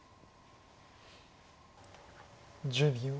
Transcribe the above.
１０秒。